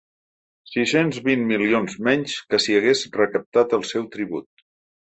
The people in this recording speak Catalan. Sis-cents vint milions menys que si hagués recaptat el seu tribut.